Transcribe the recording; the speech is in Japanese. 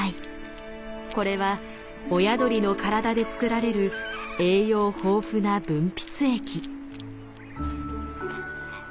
これは親鳥の体で作られる栄養豊富な分泌液。